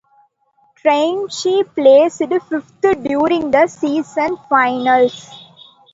Trenyce placed fifth during the season finals.